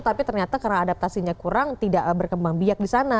tapi ternyata karena adaptasinya kurang tidak berkembang biak di sana